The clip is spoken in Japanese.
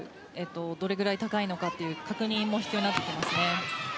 どれぐらい高いのかっていう確認も必要になってきますね。